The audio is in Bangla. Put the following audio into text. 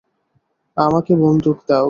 আমাকে বন্দুক দাও।